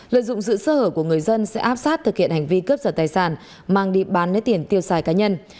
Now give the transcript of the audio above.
lợi dụng sự sơ hở của người dân sẽ áp sát thực hiện hành vi cướp giật tài sản mang đi bán lấy tiền tiêu xài cá nhân